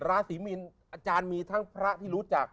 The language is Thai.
อาจารย์มีทั้งพระที่รู้จัก